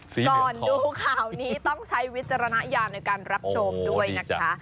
สีเหลืองทองก่อนดูข่าวนี้ต้องใช้วิจารณญาณในการรับโชคด้วยนะคะ